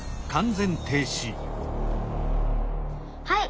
はい。